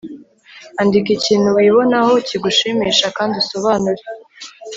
andika ikintu wibonaho kigushimisha kandi usobanure